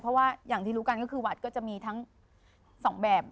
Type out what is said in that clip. เพราะว่าอย่างที่รู้กันก็คือวัดก็จะมีทั้ง๒แบบ